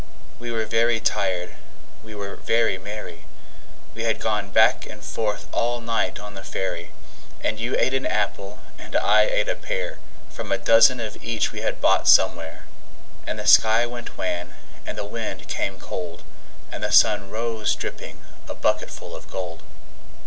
We were very tired, we were very merry We had gone back and forth all night on the ferry, And you ate an apple, and I ate a pear, From a dozen of each we had bought somewhere; And the sky went wan, and the wind came cold, And the sun rose dripping, a bucketful of gold.